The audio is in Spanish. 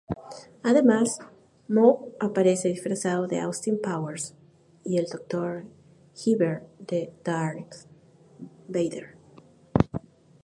Además, Moe aparece disfrazado de Austin Powers y el Dr. Hibbert de Darth Vader.